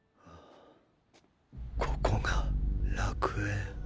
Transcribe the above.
ここが楽園。